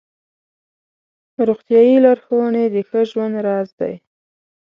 روغتیایي لارښوونې د ښه ژوند راز دی.